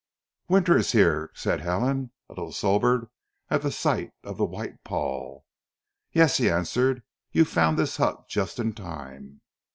"Winter is here!" said Helen, a little sobered at the sight of the white pall. "Yes," he answered. "You found this hut just in time."